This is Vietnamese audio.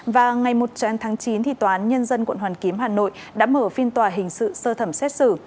và ngày một trăm linh tháng chín tòa án nhân dân quận hoàn kiếm hà nội đã mở phiên tòa hình sự sơ thẩm xét xử